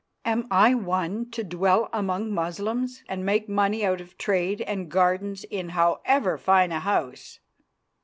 "Am I one to dwell among Moslems and make money out of trade and gardens in however fine a house?